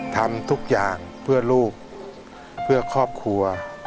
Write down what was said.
ทำทุกอย่างเพื่อลูกเพื่อครอบครัว